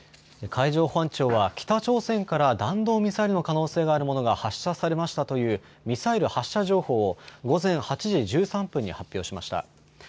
海上保安庁は北朝鮮から弾道ミサイルの可能性があるものが発射されましたというミサイル発射情報を午前８時１３分に発表しました。